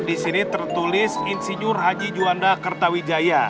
di sini tertulis insinyur haji juanda kertawijaya